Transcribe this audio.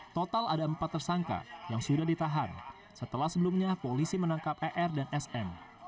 total ada empat tersangka yang sudah ditahan setelah sebelumnya polisi menangkap er dan sm